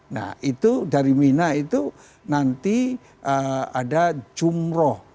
nah itu dari mina itu nanti ada jumroh